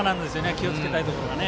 気をつけたいところはね。